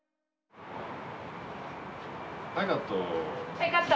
はいカット。